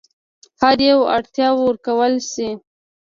هر یوه اړتیاوو ورکړل شي.